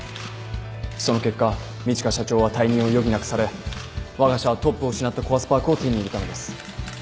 その結果路加社長は退任を余儀なくされわが社はトップを失ったコアスパークを手に入れたのです。